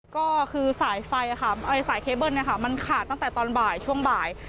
ก็คือสายไฟค่ะสายเคเบิ้ลมันขาดตั้งแต่ตอนบ่ายช่วงบ่าย